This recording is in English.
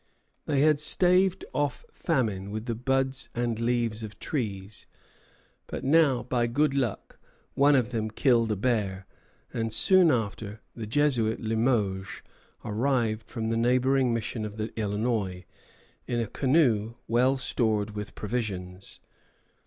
They had staved off famine with the buds and leaves of trees; but now, by good luck, one of them killed a bear, and, soon after, the Jesuit Limoges arrived from the neighboring mission of the Illinois, in a canoe well stored with provisions.